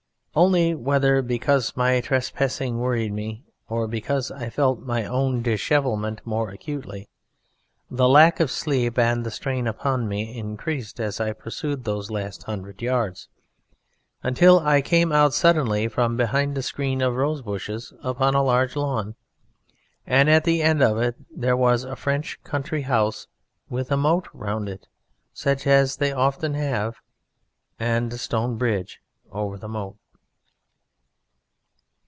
Only, whether because my trespassing worried me or because I felt my own dishevelment more acutely, the lack of sleep and the strain upon me increased as I pursued those last hundred yards, until I came out suddenly from behind a screen of rosebushes upon a large lawn, and at the end of it there was a French country house with a moat round it, such as they often have, and a stone bridge over the moat.